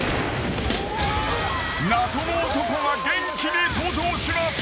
［謎の男が元気に登場します］